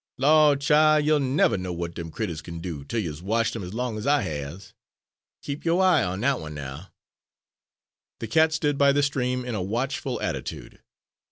"Law', chile, you'll never know w'at dem critters kin do, 'tel you's watched 'em long ez I has! Keep yo' eye on dat one now." The cat stood by the stream, in a watchful attitude.